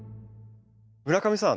村上さん